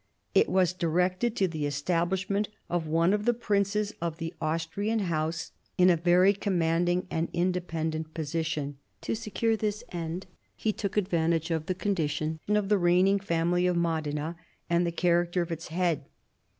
It was directed to the establishment of one of the princes of the Austrian House in a very commanding and independent position. To secure this end, he took advantage of the condition of the reigning family of Modena, and the character of its head.